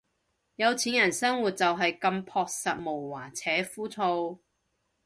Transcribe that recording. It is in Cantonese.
有錢人生活就係咁樸實無華且枯燥